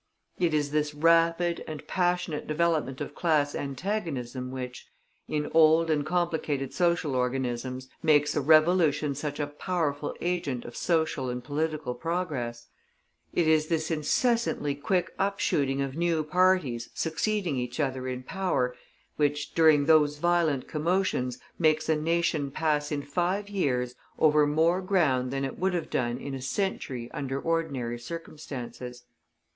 It is this rapid and passionate development of class antagonism which, in old and complicated social organisms, makes a revolution such a powerful agent of social and political progress; it is this incessantly quick upshooting of new parties succeeding each other in power, which, during those violent commotions, makes a nation pass in five years over more ground than it would have done in a century under ordinary circumstances.